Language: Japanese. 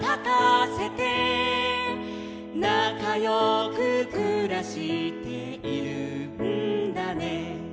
「なかよくくらしているんだね」